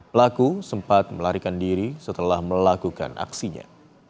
pelaku sempat melarikan diri setelah melakukan aksinya